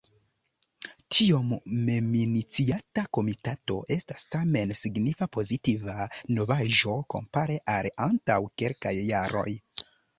Tiom meminiciata Komitato estas tamen signifa pozitiva novaĵo kompare al antaŭ kelkaj jaroj.